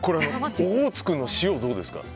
オホーツクの塩どうですか？